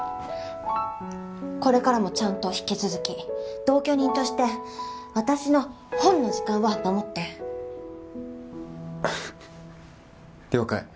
これからもちゃんと引き続き同居人として私の本の時間は守って了解